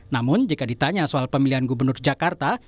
namun jika ditanya soal pemilihan gubernur jakarta